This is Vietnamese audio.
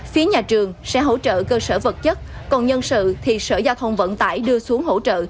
phía nhà trường sẽ hỗ trợ cơ sở vật chất còn nhân sự thì sở giao thông vận tải đưa xuống hỗ trợ